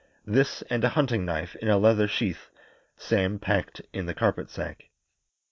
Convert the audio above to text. This and a hunting knife in a leather sheath, Sam packed in the carpet sack.